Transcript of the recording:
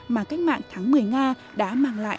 mà cách mạng tháng một mươi nga đã mang lại